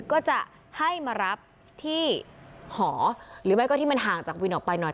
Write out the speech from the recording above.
ก็จะให้มารับที่หอหรือไม่ก็ที่มันห่างจากวินออกไปหน่อย